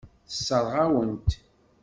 Tessṛeɣ-awen-t.